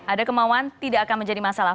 ada kemauan tidak akan menjadi masalah